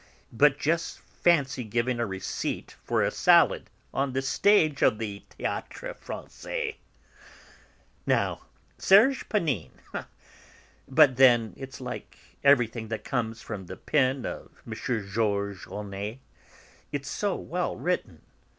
But just fancy giving a receipt for a salad on the stage of the Théâtre Français! Now, Serge Panine ! But then, it's like everything that comes from the pen of M. Georges Ohnet, it's so well written.